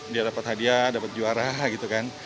dia dapat hadiah dapat juara gitu kan